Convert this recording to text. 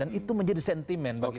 dan itu menjadi sentimen